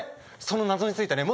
その謎についてね